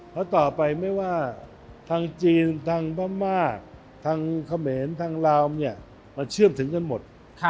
เพราะต่อไปไม่ว่าทางจีนทางพม่าทางเขมรทางลาวเนี่ยมันเชื่อมถึงกันหมด